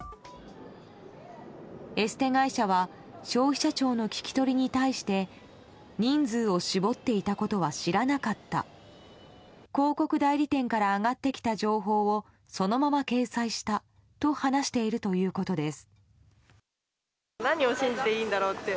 エステ会社は消費者庁の聞き取りに対して人数を絞っていたことは知らなかった広告代理店から上がってきた情報をそのまま掲載したと話しているということです。